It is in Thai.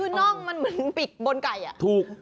คือน่องมันเหมือนปีกบนไก่อะถูก